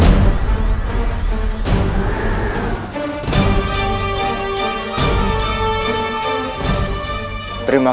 aku akan mencari kekuatanmu